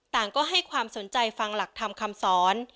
ต่างก็ให้ความสนใจฟังหลักธรรมคำสอน